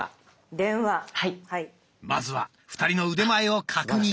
まずは２人の腕前を確認。